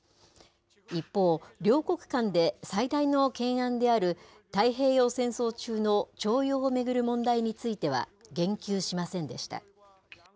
一方、両国間で最大の懸案である、太平洋戦争中の徴用を巡る問題については、言及しませんでした。